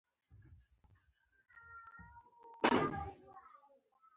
د اړمنو کورنیو ماشومانو لپاره مقررات وضع شول.